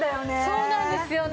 そうなんですよね。